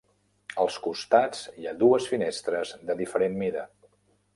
Als costats hi ha dues finestres de diferent mida.